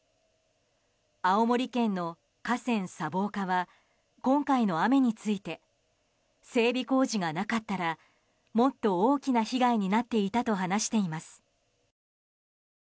青森県の河川砂防課は今回の雨について整備工事がなかったらもっと大きな被害になっていたと話しています。